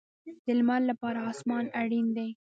د لمر لپاره اسمان اړین دی